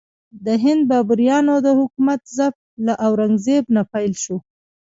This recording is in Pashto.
د هند بابریانو د حکومت ضعف له اورنګ زیب نه پیل شو.